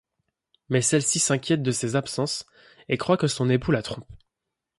Mais celle-ci s'inquiète de ses absences, et croit que son époux la trompe.